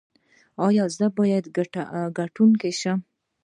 ایا زه باید ګټونکی شم؟